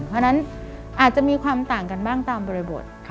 เพราะฉะนั้นอาจจะมีความต่างกันบ้างตามบริบท